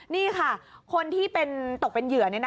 นี่ค่ะคนที่ตกเป็นเหยื่อ